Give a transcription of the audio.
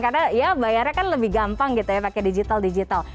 karena bayarnya kan lebih gampang gitu ya pakai digital digital